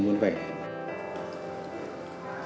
cảm ơn quý vị và các bạn